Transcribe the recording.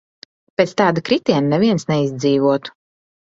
Pēc tāda kritiena neviens neizdzīvotu.